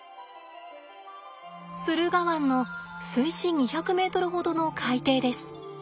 駿河湾の水深２００ｍほどの海底です。